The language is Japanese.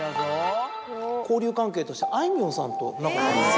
交流関係としてあいみょんさんと仲がいいと。